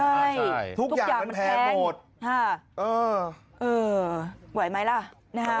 ใช่ทุกอย่างมันแพงใช่เออเออไหวไหมล่ะ